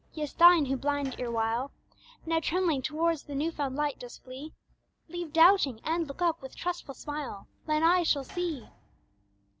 Yes, thine, who, blind erewhile, Now trembling towards the new found light dost flee, Leave doubting, and look up with trustful smile. Thine eyes shall see!